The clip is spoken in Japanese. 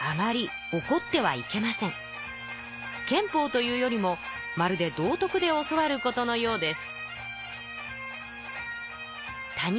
憲法というよりもまるで道徳で教わることのようです。